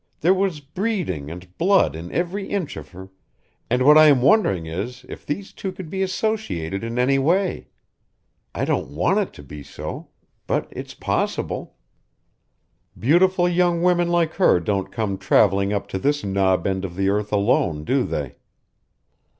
There was breeding and blood in every inch of her, and what I am wondering is if these two could be associated in any way. I don't want it to be so. But it's possible. Beautiful young women like her don't come, traveling up to this knob end of the earth alone, do they?"